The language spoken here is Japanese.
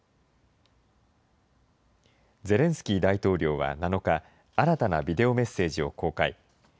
ゼレンスキー大統領は７日、新たなビデオメッセージを公開。